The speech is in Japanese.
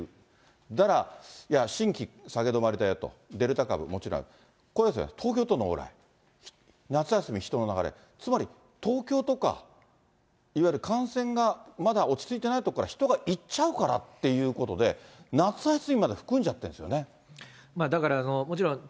だから、新規下げ止まりだよと、デルタ株もちろんある、これですね、東京都の往来、夏休み人の流れ、つまり、東京とかいわゆる感染がまだ落ち着いてない所から人が行っちゃうからっていうことで、夏休みまで含んじゃってるんですよね。